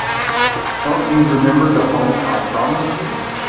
Don't you remember the home I promised you?